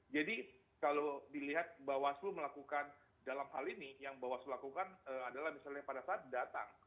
jadi kalau dilihat bawasu melakukan dalam hal ini yang bawasu lakukan adalah misalnya pada saat datang